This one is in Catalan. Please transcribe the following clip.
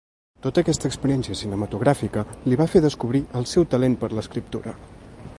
Tota aquesta experiència cinematogràfica li va fer descobrir el seu talent per l'escriptura.